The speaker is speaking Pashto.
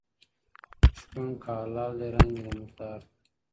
¬ شکوڼ که حلال دئ، رنگ ئې د مردار دئ.